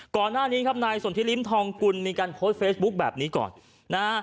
ก่อนหน้านี้ครับนายสนทิริมทองกุลมีการโพสต์เฟซบุ๊คแบบนี้ก่อนนะฮะ